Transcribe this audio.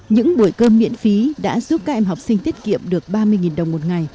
những buổi cơm miễn phí đã giúp các em học sinh tiết kiệm được ba mươi đồng một ngày